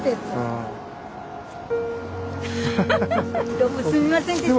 どうもすみませんでした。